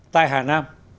tại hà nam